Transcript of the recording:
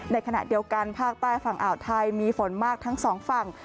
ในขณะเดียวกันภาคใต้ฝั่งอ่าวไทยมีฝนมากทั้งสองฝั่ง